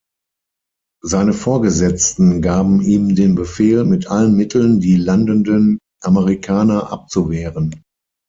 Seine Vorgesetzten gaben ihm den Befehl, mit allen Mitteln die landenden Amerikaner abzuwehren.